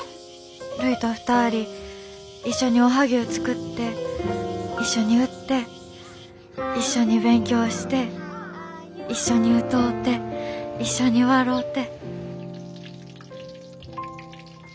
るいと２人一緒におはぎゅう作って一緒に売って一緒に勉強して一緒に歌うて一緒に笑うて。